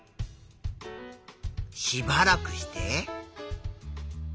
しばらくして。